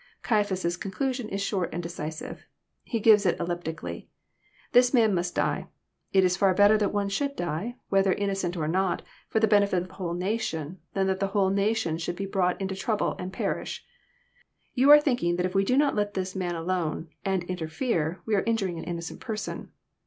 '] Caiaphas' con clusion is short and decisive. He gives it elliptically. " This Man must die. It is far better that one should die, whether in nocent or not, for the benefit of the whole nation, than that the whole nation should be brought into trouble and perish. You are thinking that if we do not let this Man alone, and interfere, we are injuring an innocent person.